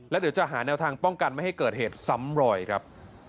แล้วเดี๋ยวจะหาแนวทางป้องกันไม่ให้เกิดเหตุซ้ำรอยครับ